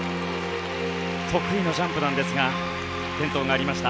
得意のジャンプなんですが転倒がありました。